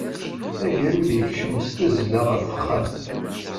Agrud yekcem s tazzla ɣer texxamt.